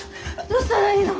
どうしたらいいの？